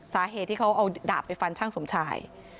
สาเหตุที่เขาเอาดาบไปฟันช่างสมชาย